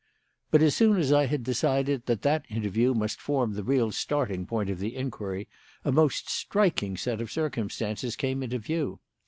"But as soon as I had decided that that interview must form the real starting point of the inquiry, a most striking set of circumstances came into view.